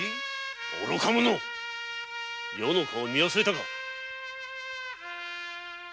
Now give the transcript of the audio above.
愚か者余の顔を見忘れたか。